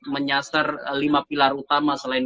menyasar lima pilar utama selain